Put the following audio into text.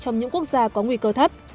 những quốc gia có nguy cơ thấp